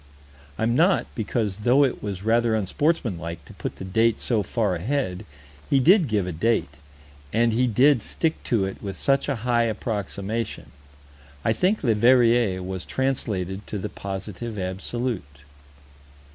I'm not, because, though it was rather unsportsmanlike to put the date so far ahead, he did give a date, and he did stick to it with such a high approximation I think Leverrier was translated to the Positive Absolute.